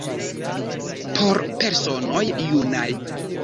Por personoj junaj!